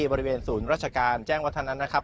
บริเวณศูนย์ราชการแจ้งวัฒนันนะครับ